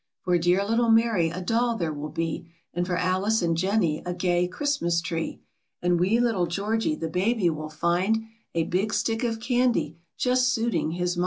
For dear little Mary, a doll there will be; And for Alice and Jennie a gay Christmas tree; And wee little Georgie, the baby, will find, A big stick of candy, just suiting his mind.